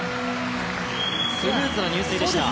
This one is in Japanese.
スムーズな入水でした。